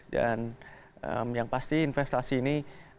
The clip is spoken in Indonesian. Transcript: dan yang pasti investasi ini